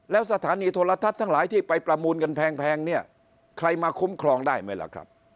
แล้วสถานีโทรทัศน์ทั้งหลายที่ไปประมูลกันแพงเนี่ยใครมาคุ้มครองได้ไหมล่ะครับ